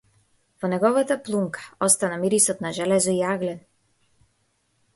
Во неговата плунка остана мирисот на железо и јаглен.